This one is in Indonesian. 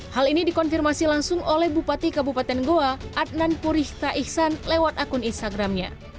hal ini dikonfirmasi langsung oleh bupati kabupaten goa adnan purihta ihsan lewat akun instagramnya